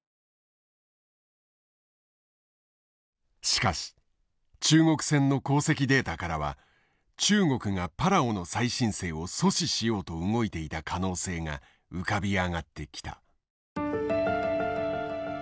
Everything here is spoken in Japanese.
しかし中国船の航跡データからは中国がパラオの再申請を阻止しようと動いていた可能性が浮かび上がってきた。